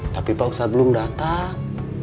tapi pak ustadz belum datang